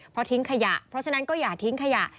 เพราะทิ้งขยะเพราะฉะนั้นก็อย่าทิ้งขยะ